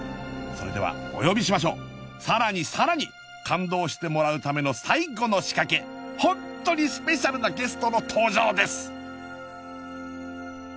それではお呼びしましょうさらにさらに感動してもらうための最後の仕掛けホントにスペシャルなゲストの登場です！